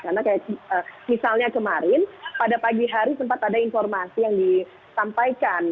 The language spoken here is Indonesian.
karena kayak misalnya kemarin pada pagi hari sempat ada informasi yang disampaikan